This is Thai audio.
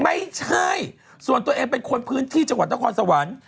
ไม่ใช่ส่วนตัวเองเป็นคนพื้นที่จังหวัดนครสวรรค์